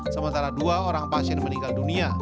sementara dua orang pasien meninggal dunia